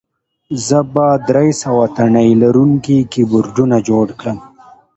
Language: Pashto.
زه به درې سوه تڼۍ لرونکي کیبورډونه جوړ کړم